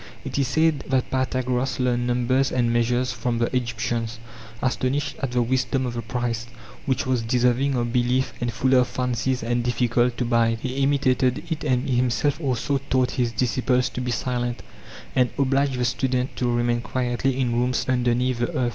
Itis said that Pythagoras learned numbers and measures from the Egyptians; astonished at the wisdom of the priests, which was deserving of belief and full of fancies and difficult to buy, he imitated it and himself also taught his disciples to be silent, and obliged the student to remain quietly in rooms underneath the earth.